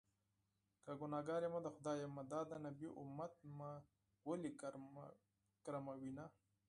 که ګنهکار يمه د خدای یم- دا د نبي امت مې ولې ګرموینه